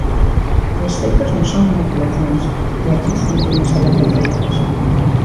Os feitos non son manipulacións, e aquí sempre imos falar de feitos.